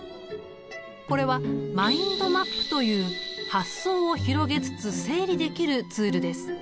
これはマインドマップという発想を広げつつ整理できるツールです。